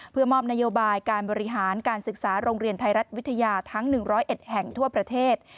เพื่อมอบนโยบายการบริหารการศึกษาโรงเรียนไทยรัฐวิทยาทั้ง๑๐๑แห่งทั่วประเทศ